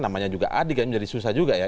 namanya juga adi kan jadi susah juga ya